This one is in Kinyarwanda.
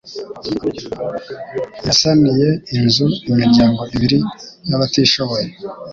yasaniye inzu imiryango ibiri y'abatishoboye